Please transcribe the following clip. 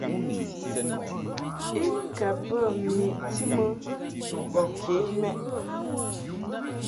I ka bə meʼti mɨ bɔ ke mɛʼ.